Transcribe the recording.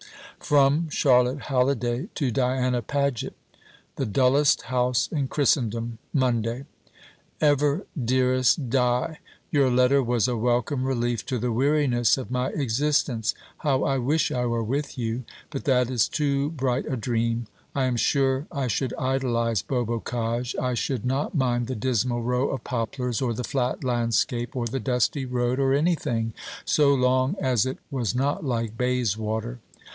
From Charlotte Halliday to Diana Paget. The dullest house in Christendom, Monday. EVER DEAREST Di, Your letter was a welcome relief to the weariness of my existence. How I wish I were with you! But that is too bright a dream. I am sure I should idolise Beaubocage. I should not mind the dismal row of poplars, or the flat landscape, or the dusty road, or anything, so long as it was not like Bayswater.